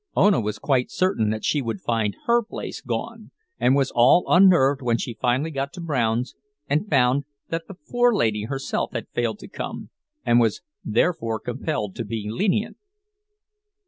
Ona was quite certain that she would find her place gone, and was all unnerved when she finally got to Brown's, and found that the forelady herself had failed to come, and was therefore compelled to be lenient.